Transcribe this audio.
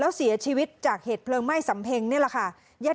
แล้วเสียชีวิตจากเหตุเพลิงไหม้สำเพ็งนี่แหละค่ะ